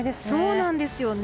そうなんですよね。